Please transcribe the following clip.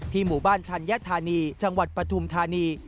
หมู่บ้านธัญธานีจังหวัดปฐุมธานี